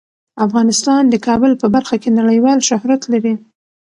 افغانستان د کابل په برخه کې نړیوال شهرت لري.